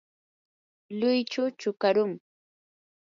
luychu chukarum.